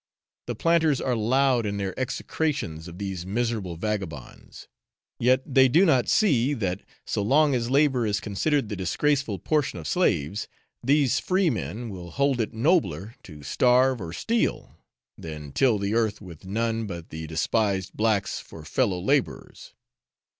The planters are loud in their execrations of these miserable vagabonds; yet they do not see that, so long as labour is considered the disgraceful portion of slaves, these free men will hold it nobler to starve or steal than till the earth with none but the despised blacks for fellow labourers.